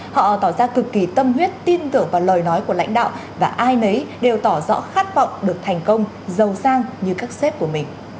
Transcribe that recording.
họ tỏ ra cực kỳ tâm huyết tin tưởng vào lời nói của lãnh đạo và ai nấy đều tỏ rõ khát vọng được thành công giàu sang như các xếp của mình